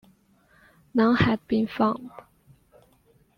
None had been found.